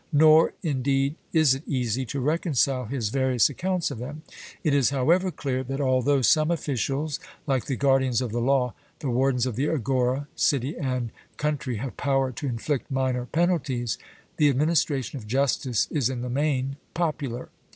Nor, indeed is it easy to reconcile his various accounts of them. It is however clear that although some officials, like the guardians of the law, the wardens of the agora, city, and country have power to inflict minor penalties, the administration of justice is in the main popular.